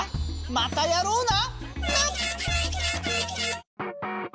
またやろうな！